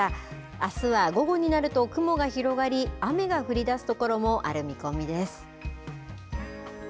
あすは午後になると雲が広がり、雨が降りだす所もある見込みです。